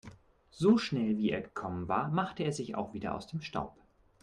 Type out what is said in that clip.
So schnell, wie er gekommen war, machte er sich auch wieder aus dem Staub.